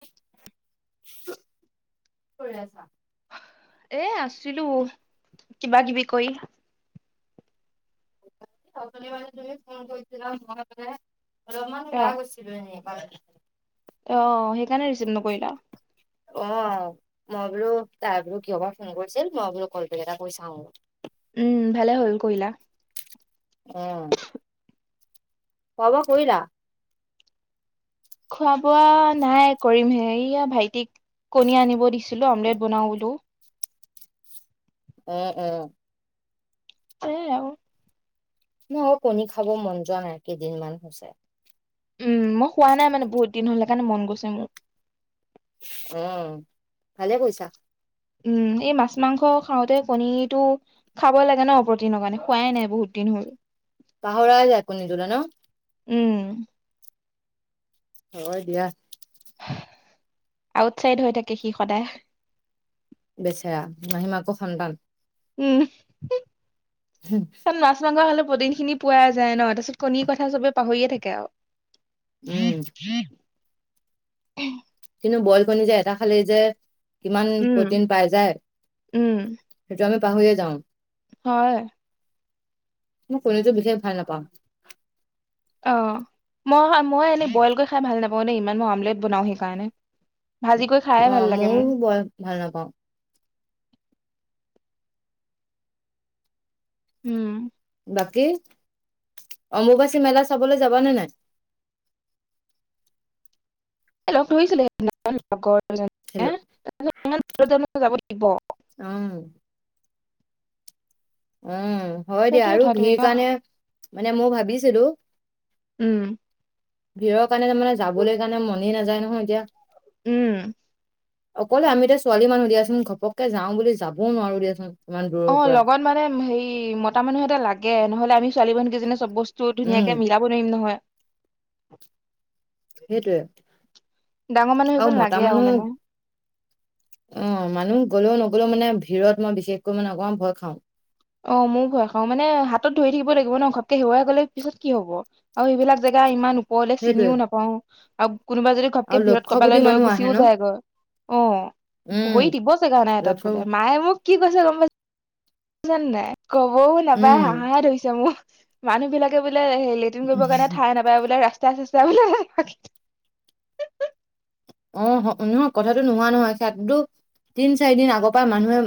কি কৰি আছা? এ আছিলো অ, কিবা কিবি কৰি। আবেলি মানে তুমি ফোন কৰিছিলা অলপ মানে অলপমান গা গৈছিল। কিদৰে নেপাল অ সেইকাৰণে ৰিচিভ নকৰিলা। অ মই বোলো তাই বোলো কিয়বা ফোন কৰিছিল মই বোলো ক'ল বেক এটা চাও। উম ভালেই হ'ল কৰিলা। অ খোৱা-বোৱা কৰিলা? খোৱা-বোৱা নাই কৰিমহে, এইয়া ভাইটিক কণী আনিব দিছিলো অমলেট বনাও বোলো। উম উম সেই আও মইও কণী খাব মন যোৱা নাই কেইদিনমান হৈছে। উম মই খোৱা নাই মানে বহুত দিন হ'লে সেই কাৰণে মন গৈছে মোৰ উম ভালে কৰিছা। উম এই মাছ-মাংস খাওতে, কণীটো খাব লাগে ন প্ৰটিনৰ কাৰণে খোৱাই নাই বহুত দিন হল। পাহৰাই যায় কণীতোলে ন। উম হয় দিয়া আউটচাইড হৈ থাকে সি সদায়। বেচেৰা মাহীমাকৰ সন্তান। উম হুম তাত মাছ মাংস হলে প্ৰটিনখিনি পোৱা যায় ন তাৰপিছত কণীৰ কথা চবে পাহৰিয়ে থাকে আও উম, উ কিন্তু বইল কণী যে এটা খালেই যে কিমান উম প্ৰটিন পাই যায়। উম সেইটো আমি পাহৰিয়ে যাওঁ। হয় মই কণীটো বিশেষ ভাল নাপাও। অ মই অ মই এনেই বইল কৰি খাই ভাল নাপাও দেই ইমান মই আমলেট বনাও সেইকাৰণে। ভাজি কৰি খায়ে অ ভাল লাগে মোৰ ময়ো বয়েল ভাল নাপাও উম বাকী অম্বুবাচী মেলা চাবলৈ যাবানে নাই? এই লগ ধৰিছিলে সিদিনাখন লগৰ কেইজনীয়ে হেল্ল' তাৰপিছত ইমান ভিৰত যাব লাগিব। উম উম, হয় দিয়া সেইটোয়ে আৰু কথাটো ভিৰ এতিয়া কাৰণে মানে মই ভাবিছিলো। উম, ভিৰৰ কাৰণে মানে, যাবলৈ কাৰণে মনেই নাযায় নহয় এতিয়া। উম, অকলে আমি এতিয়া ছোৱালী মানুহ দিয়াচোন, ঘপককে যাওঁ বুলি যাবও নোৱাৰো দিয়াচোন। ইমান দূৰৰ অ, পৰা লগত মানে হেৰি, মতা মানুহঁ এটা লাগে, নহ'লে আমি ছোৱালী মানুহকেইজনীয়ে চব বস্তু উম ধুনীয়াকে মিলাব নোৱাৰিম নহয়। সেইটোয়ে ডাঙৰ মানুহ আৰু এজন, মতা লাগে আৰু মানুহ মানে। অ মানুহ গ'লেও, নগ'লেও, মানে ভিৰত মই, বিশেষকৈ মানে অকমান ভয় খাওঁ। অ, ময়ো ভয় খাওঁ মানে হাতত ধৰি থাকিব লাগিব ন, ঘপকে হেৰুৱাই গ'লে পিছত কি হ'ব। আৰু সেইবিলাক জেগা ইমান ওপৰলে সেইটোয়ে চিনিও নাপাওঁ আৰু কোনোবাই যদি ঘপকে আৰু ভিৰত লক্ষ কোটি কৰবালৈ, লৈ মানুহ আহে গুচিও ন যায়গৈ অ, উম ভৰি দিব জেগা নাই তাত লক্ষ বোলে, মায়ে মোক কি কৈছে গম পাইছ ছ, নে নাই, ক'বও নাপায় উম হাহাহে ধৰিছে মোৰ, মানুহ বিলাকে বোলে হেৰি লেট ন, কৰিবৰ কাৰণে ঠাই নাপায়, বোলে ৰাস্তা-চস্তাই বোলে হাগি অ, হয়, নহয় কথাটো নোহোৱা নহয় সেইটো তিন, চাৰি দিন আগৰ পৰাই মানুহে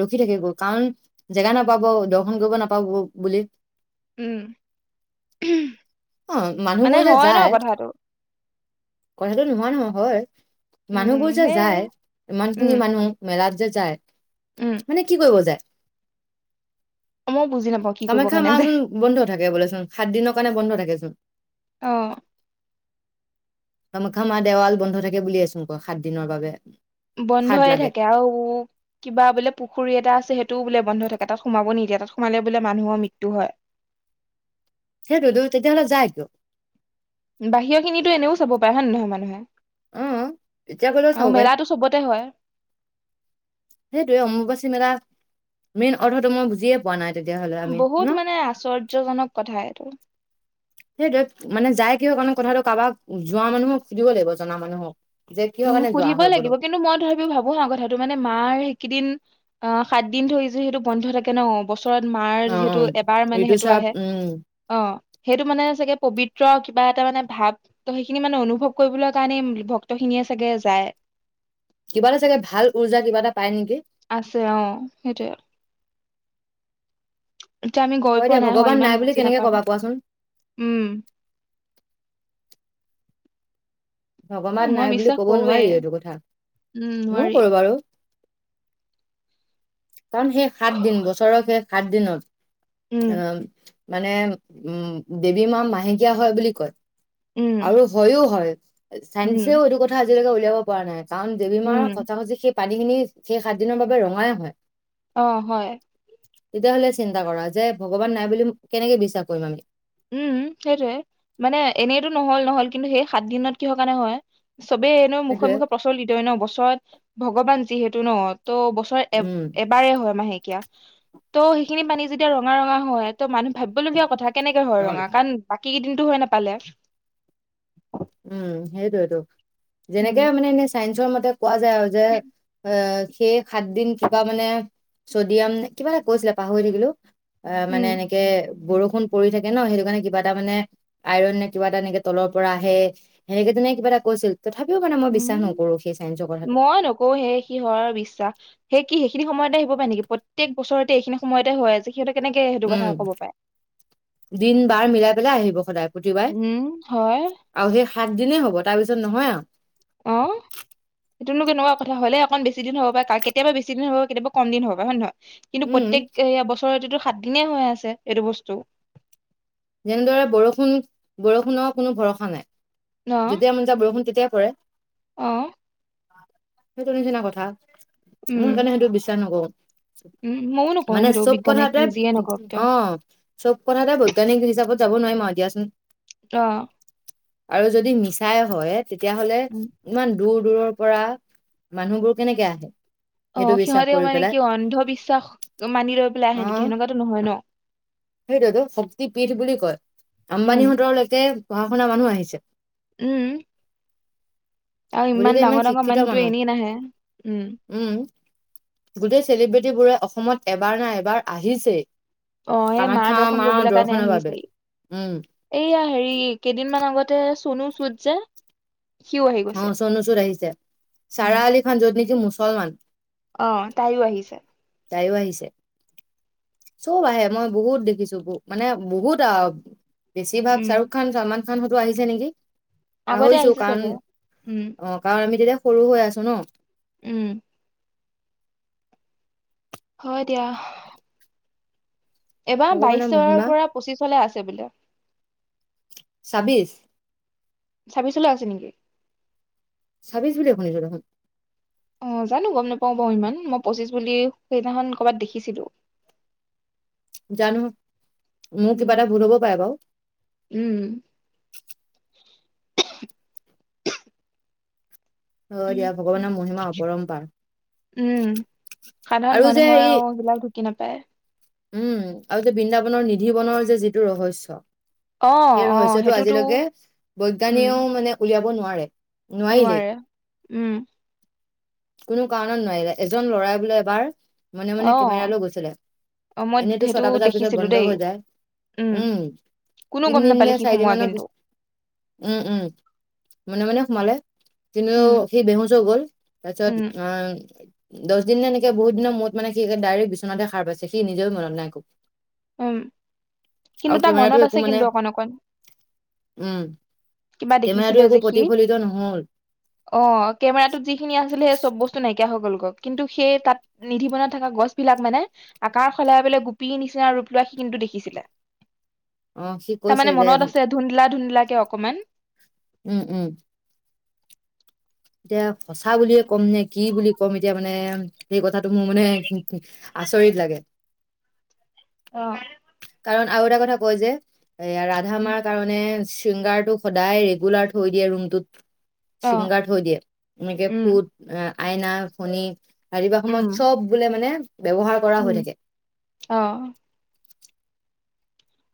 ৰখি থাকে গৈ, কাৰণ জেগা নাপাব, দৰ্শন কৰিব নাপাব বুলি। উম অ, মানে মানুহবোৰ যে হয় ন যায়। কথাটো কথাটো নোহোৱা নহয় হয়। উম মানুহবোৰ যে সেয়াই যায়, উম ইমানখিনি মানুহ মেলাত যে যায়। উম মানে কি কৰিব যায়? মই বুজি নাপাওঁ কি কৰিব কামাখ্যা কাৰণে মা, যায় চোন বন্ধ থাকে বোলেচোন, সাত দিনৰ কাৰণে বন্ধ থাকেচোন। অ, কামাখ্যা মাৰ দেৱাল বন্ধ থাকে বুলিয়েচোন কয় সাত দিনৰ বাবে। সাত বন্ধয়ে, লাগে থাকে আৰু কিবা বোলে পুখুৰী এটা আছে, সেইটোও বোলে বন্ধ থাকে, তাত সোমাব নিদিয়ে, তাত সোমালে বোলে মানুহৰ মৃত্যু হয়। সেইটোতো তেতিয়াহ'লে যায় কিয়? বাহিৰৰ খিনিতো এনেও চাব পাৰে হয়, নে নহয় মানুহে? উম, এতিয়া গ'লেও আৰু চাব পাৰিম। মেলাটো চবতে হয়। সেইটোৱে অম্বুবাচী মেলা, মেইন অৰ্থটো মই বুজিয়ে পোৱা নাই তেতিয়াহ'লে আমি বহুত ন, মানে [inaudible] কথা এইটো। সেইটোৱে মানে যায় কিহৰ কাৰণে, কথাটো কাৰোবাক যোৱা মানুহক সুধিব লাগিব জনা মানুহক। যে কিহৰ উম, কাৰণে যোৱা সুধিব হয় বোলো লাগিব কিন্তু মই ধৰি ভাবো ন, কথাটো মানে মাৰ সেইকেইদিন অ, সাত দিন ধৰি যে সেইটো বন্ধ থাকে ন, বছৰ ওচৰত মাৰ, অ যিহেতু এবাৰ অ মানে সেইটো ঋতুস্ৰাৱ আহে। উম অ, সেইটো মানে চাগে পবিত্ৰ কিবা এটা মানে ভাৱ ত, সেইখিনি মানে অনুভৱ কৰিবলৈ কাৰণেই ভক্ত খিনিয়ে চাগে যায়। কিবা এটা চাগে ভাল উৰ্জা কিবা এটা পায় নেকি? আছে অ, সেইটোয়ে। এয়া আমি গৈ পোৱা দিয়া নাই হয়, ভগৱান ইমান বুলি বুজি কেনেকে নাপাম। কবা কোৱাচোন উম, অ ভগবান মই নাই বুলি বিশ্বাস ক'ব কৰোৱে নোৱাৰি এইটো কথা, উম ময়ো নোৱাৰি কৰো বাৰু। কাৰণ সেই সাত দিন বছৰৰ সেই সাত দিনত উম আহ, মানে উম, দেৱী মা মাহেকীয়া হয় বুলি কয় উম আৰু হয়ো হয়। চাইঞ্চেও উম এইটো কথা আজিলৈকে উলিয়াব পৰা নাই, কাৰণ দেবী মাৰ উম সঁচা-সচি সেই পানী খিনি সেই সাত দিনৰ বাবে ৰঙাই হয়। অ' হয়। তেতিয়াহ'লে চিন্তা কৰা যে, ভগৱান নাই বুলি কেনেকে বিশ্বাস কৰিম আমি। উম, সেইটোৱে মানে এনেইতো নহ'ল নহ'ল কিন্তু সেই সাত দিনত কিহৰ কাৰণে হয়। চবেই এনেও মুখে সেইটোৱে মুখে প্ৰচলিতই ন বছৰত ভগৱান যিহেতু ন ত' বছ উম ৰত এবাৰে হয় মাহেকীয়া। ত' সেইখিনি পানী যেতিয়া ৰঙা ৰঙা হয় ত' মানুহ ভাবিবলগীয়া কথা কেনেকে হয় ৰঙা কাৰণ বাকী কেইদিনটো হয় নাপালে উম' সেইটোৱেটো উম যেনেকে মানে এনেই চাইন্সৰ মতে কোৱা যায় আৰু যে অ' সেই সাত দিন কিবা মানে ছদিয়াম নে কিবা এটা কৈছিলে পাহৰি থাকিলো অ' মানে উম এনেকে কে বৰষুণ পৰি থাকে ন সেইটো কাৰণে কিবা এটা মানে আইৰন নে কিবা এটা এনেকে তলৰ পৰা আহে সেইগিদিনেই কিবা এটা কৈছিল তথাপিও মানে মই বিশ্বাস উম নকৰো সেই চাইন্সৰ কথাটো। মই নকোও সেই [unintelligible] কিহৰ বিশ্বাস সেই কি সেইখিনি সময়তে আহিব পাৰে নেকি প্ৰত্যক বছৰতে এইখিনি সময়তে হয়, আজি সিহঁতে কেনেকে সেইটো উম কথা ক'ব পাৰে। দিন বাৰ মিলাই পেলাই আহিব সদায়। প্ৰতিবাৰে উম' হয়। আৰু সেই সাত দিনেই হ'ব তাৰ পিছত নহয় আৰু [unintelligible] এইটোনো কেনেকুৱা কথা হ'ল এ অকন বেছি দিন হ'ব পাৰে কাৰ কেতিয়াবা বেছিদিন হ'ব কেতিয়াবা কম দিন হ'ব পাৰে হয় নহয়? কিন্তু উম প্ৰত্যেক এইয়া বছৰত সাত দিনেই হৈ আছে এইটো বস্তু। যেনেদৰে বৰষুণ, বৰষুণৰ কোনো ভৰষা নাই। ন যেতিয়া মন যায় বৰষুণ তেতিয়াই পৰে। অ'। সেইটো নিচিনা কথা, মোৰ উম কাৰণে সেইটো বিশ্বাস উম ময়ো নকৰো। নকওঁ মানে সেইটো চব বিজ্ঞানে কি কথাতে যিয়ে নকওক কিয় অ'। চব কথাতে বৈজ্ঞানিক হিচাপত যাব নোৱাৰিম আৰু দিয়াচোন। অ'। আৰু যদি মিছাই হয় তেতিয়াহ'লে উম ইমান দূৰ দূৰৰ পৰা মানুহবোৰ কেনেকে আহে? সেইটো অ' বিশ্বাস সিহঁতেও কৰি মানে পেলাই কি অন্ধবিশ্বাস মানি লৈ পেলাই আহে অ নেকি সেনেকুৱাতো নহয় ন। সেইটোৱেতো শক্তি পীঠ বুলি কয় উম আম্বানীহঁতৰলৈকে পঢ়া শুনা মানুহ আহিছে। উম'। আৰু ইমান গতিকে ডাঙৰ ডাঙৰ শিক্ষিত মানুহতো মানুহ এনেই নাহে, উম'। উম' গোটেই চেলিব্ৰিটিবোৰে অসমত এবাৰ ন এবাৰ আহিছেই। অ' এই মা কামাখ্যা দৰ্শন মাৰ কৰিবলৈ কাৰণে দৰ্শনৰ বাবে আহিছেই। উম এইয়া হেৰি কেইদিনমান আগতে চনু চুত যে সিও আহি গৈছে অ' চনু চুত আহিছে, উম চাৰা আলী খান য'ত নেকি মুছলমান অ' তাইও আহিছে। তাইয়ো আহিছে। চব আহে মই বহুত দেখিছো ব মানে বহুত আৰু। বেছি ভাগ উম শ্বাহৰুখ খান ছলমান খান হতো আহিছে নেকি। আগতে পাহৰিছো আহিছে কাৰণ চাগে, উম'। অ' কাৰণ আমি তেতিয়া সৰু হৈ আছো ন। উম। হয় দিয়া। এইবাৰ ভগৱানৰ বাইশৰ মহিমা পৰা পঁচিশ লে আছে বোলে। ছাব্বিছ। ছব্বিছলৈ আছে নেকি? ছব্বিছ বুলি শুনিচোন দেখুন। অ জানো গম নাপাও বাউ ইমান মই পঁচিছ বুলি সেইদিনাখন কৰ'বাত দেখিছিলো। জানো মোৰ উম কিবা এটা ভুল হ'ব পাৰে বাৰু। উম। অ উম দিয়া ভগৱানৰ মহিমা অপৰম্পাৰ। উম সাধাৰণ আৰু যে মানুহৰ এই আৰু সেইবিলাক ঢুকি নাপায়। উম আৰু বৃন্দাবনৰ নিধি বনৰ যে যিটো ৰহস্য অ সেই অ ৰহস্যটো সেইটোতো আজিলৈকে উম বৈজ্ঞানীয়েও মানে উলিয়াব নোৱাৰে, নোৱাৰে নোৱাৰিলেই। উম কোনো কাৰণত নোৱাৰিলে, এজন ল'ৰাই বোলে এবাৰ মনে মনে অ কেমেৰা লৈ গৈছিলে। অ মই এনেতো সেইটো ছটা বজাৰ পিছত দেখিছিলো বন্ধ দেই হৈ যায় উম। কোনো গম তিনিদিন নে নাপালে সি চাৰিদিন সোমোৱা মানৰ কিন্তু পিছ, উম উম মনে মনে সোমালে। তেনেও উম সি বেহুজও হৈ গ'ল উম তাৰপিছত আহ দহ দিননে এনেকে বহুত দিনৰ মূৰত সি মানে এক ডাইৰেক্ট বিচনাতে সাৰ পাইছে সি নিজেও মনত নাই একো। উম কিন্তু আৰু তাৰ কেমেৰাটো মনত আছে একো আছে মানে কিন্তু অকণ অকণ, উম কিবা কেমেৰাটো দেখিছিলে একো যে সি। প্ৰতিফলিত নহল অ কেমেৰাটোত যিখিনি আছিলে সেই চব বস্তু নাইকিয়া হৈ গ'ল গৈ কিন্তু সেই তাত নিধি বনাত থকা গছ বিলাক মানে আকাশলে বোলে গোপি নিচিনা ৰূপ চিন্তু দেখিছিলে। অ সি কৈছে তাৰমানে যে মনত আছে ধুনন্দলা ধুনলাকে অকমান উ উ। এতিয়া সঁচা বুলিয়ে ক'ম নে কি বুলি ক'ম এতিয়া মানে সেই কথাটো মোৰ মানে আচৰিত লাগে। অ। কাৰণ আৰু এটা কথা কয় যে এ ৰাধা মাৰ কাৰণে শৃংগাৰটো সদায় ৰেগুলাৰ থৈ দিয়ে ৰুমটোত, অ শৃংগাৰ থৈ দিয়ে এনেকে উম ফুট অ আইনা-ফনী ৰাতিপুৱা সময়ত উম চব বোলে মানে ব্যৱহাৰ কৰা হৈ উম থাকে অ।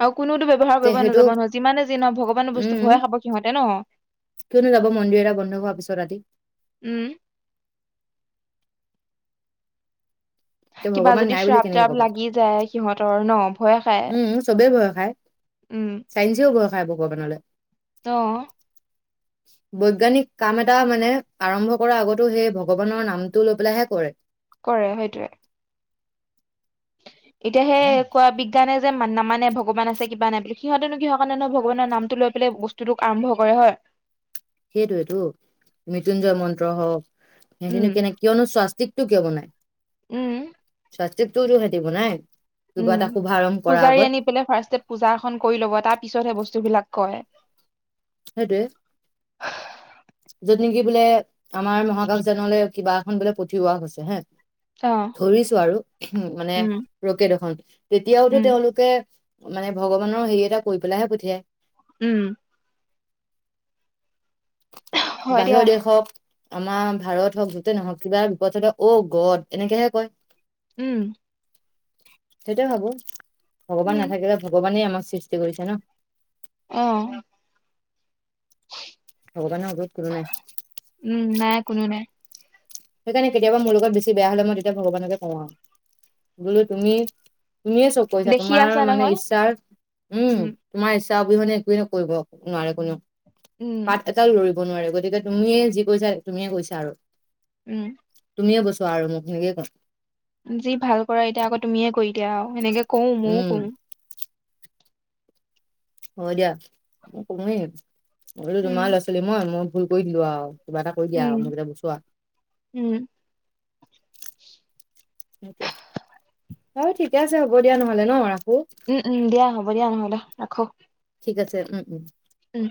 আৰু কোনোতো ব্যৱহাৰ তে কৰিব সেইটো নাযাব নহয়, যিমানে যি নহয় ভগৱানৰ বস্তু উম ভয়ে খাব সিহতে ন'। কিয়নো যাব মন্দিৰ এটা বন্ধ হোৱাৰ পিছত ৰাতি। উম। তে কিবা ভগৱান যদি নাই বুলি কেনেকে শ্ৰাপ-ত্ৰাপ কবা লাগি যায় সিহঁতৰ ন' ভয় খাই। উম চবেই ভয় খায়। উম। চাইঞ্চিও ভয় খাই ভগৱানলে। অ। [inaudible] বৈজ্ঞানিক কাম এটা মানে আৰম্ভ কৰাৰ আগতো সেই ভগৱানৰ নামটো লৈ পেলাইহে কৰে। কৰে সেইটোৱে। এতিয়া সে কোৱা বিজ্ঞানে যে নামানে ভগৱান আছে কিবা নাই বুলি সিহঁতেনো কিহৰ কাৰণে নো ভগৱানৰ নামটো লৈ এফালে, বস্তুতোক আৰম্ভ কৰে, হয়। সেইটোৱেতো, মৃত্যুঞ্জয় মন্ত্ৰ হওঁক, উম সেহেঁতিনো কেনে, কিয়নো স্বাস্তিকটো, কিয় বনাই? উম! স্বাস্তিকটো, সিহঁতি বনাই। কিবা উম, এটা শুভাৰম্ভ কৰাৰ পূজাৰী আগত আনি পেলাই, ফাৰ্ষ্টে পূজা এখন কৰি ল'ব। তাৰপিছতহে, বস্তু বিলাক কয়। সেইটোৱে। য'ত নেকি বোলে, আমাৰ মহাকাশজানলে, কিবা এখন বোলে, পঠিওৱা হৈছে, হে। অ ধৰিছোঁ আৰু। মানে, উম ৰকেট এখন। তেতিয়াওতো উম তেওঁলোকে মানে, ভগৱানৰ সেৰি এটা কৰি পেলাইহে, পঠিয়ায়। উম! হয় দিয়া বাহিৰৰ দেশ হওঁক, আমাৰ ভাৰত হওঁক, য'তে নহওঁক, কিবা বিপদ হ'লে, অ' গড! এনেকেহে কয়। উম! সেইটটোৱে ভাবোঁ! ভগৱান উম নাথাকিলে, ভগৱানেই আমাক সৃষ্টি কৰিছে ন'। অ'! ভগৱানৰ ওপৰত কোনো নাই। উম, নাই কোনো নাই। সেইকাৰণে, কেতিয়াবা মোৰ লগত বেছি বেয়া হ'লে, মই তেতিয়া, ভগৱানকে কওঁ আৰু। বোলোঁ তুমি, তুমিয়ে চব কৰিছা, দেখি তোমাৰ আছা মানে, নহয় ইচ্ছাৰ, উম! তোমাৰ ইচ্ছা অবিহনে, একোৱে কৰিব, নোৱাৰে কোনেওঁ। উম! পাত এটাও লৰিব নোৱাৰে। গতিকে, তুমিয়ে যি কৰিছা, তুমিয়ে কৰিছা আৰু। উম! তুমিয়ে বছোৱা আৰু মোক, সেনেকেই কওঁ। যি ভাল কৰা, এতিয়া আকৌ, তুমিয়ে কৰি দিয়া আৰু। সেনেকে কওঁ, মইয়ো উম, কওঁ। হয় দিয়া! তুমি, বোলোঁ উম তোমাৰ ল'ৰা-ছোৱালী মই, মই ভুল কৰি দিলোঁ আৰু। কিবা এটা কৰি দিয়া উম আৰু মোক এতিয়া বছোৱা। উম! বাৰু ঠিকে আছে, হ'ব দিয়া নহ'লে ন' আৰু। উম-উম, দিয়া হ'ব দিয়া, নহ'লে ৰাখোঁ। ঠিক আছে, উম-উম। উম!